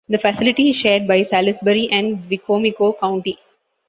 The facility is shared by Salisbury and Wicomico County.